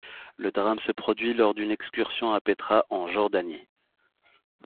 Le drame se produit lors d'une excursion à Pétra, en Jordanie.